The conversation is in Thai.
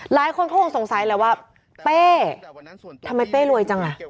หลายคนคงสงสัยเลยว่าเป๊ทำไมเป๊รวยจังล่ะ